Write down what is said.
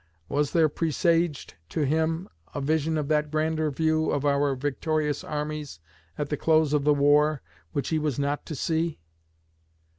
Was there presaged to him a vision of that grander review of our victorious armies at the close of the war, which he was not to see?"